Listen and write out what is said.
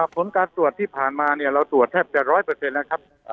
ผลการตรวจที่ผ่านมาเนี่ยเราตรวจแทบแต่ร้อยเปอร์เซ็นต์นะครับ